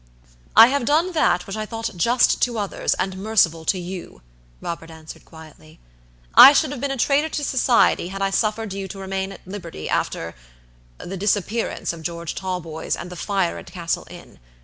"I have done that which I thought just to others and merciful to you," Robert answered, quietly. "I should have been a traitor to society had I suffered you to remain at liberty afterthe disappearance of George Talboys and the fire at Castle Inn.